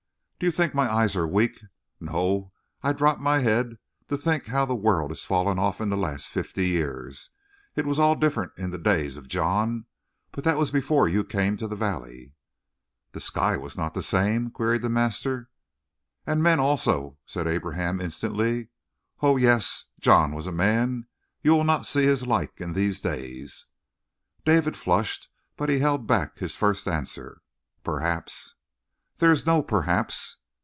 "Do you think my eyes are weak? No, I dropped my head to think how the world has fallen off in the last fifty years. It was all different in the days of John. But that was before you came to the valley." "The sky was not the same?" queried the master. "And men, also," said Abraham instantly. "Ho, yes! John was a man; you will not see his like in these days." David flushed, but he held back his first answer. "Perhaps." "There is no 'perhaps.'"